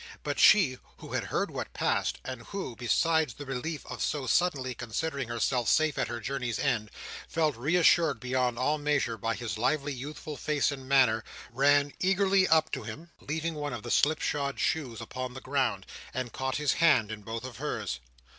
But she, who had heard what passed, and who, besides the relief of so suddenly considering herself safe at her journey's end, felt reassured beyond all measure by his lively youthful face and manner, ran eagerly up to him, leaving one of the slipshod shoes upon the ground and caught his hand in both of hers.